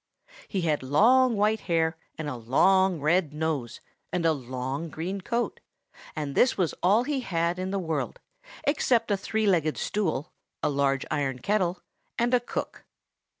He had long white hair, and a long red nose, and a long green coat; and this was all he had in the world, except a three legged stool, a large iron kettle, and a cook.